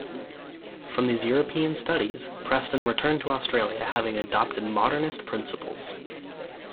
From these European studies, Preston returned to Australia having adopted Modernist principles.